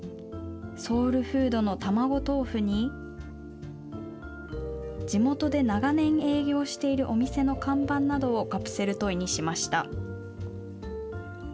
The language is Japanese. ソウルフードの玉子とうふに、地元で長年営業しているお店の看板などをカプセルトイにしました。